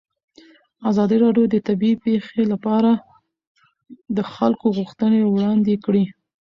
ازادي راډیو د طبیعي پېښې لپاره د خلکو غوښتنې وړاندې کړي.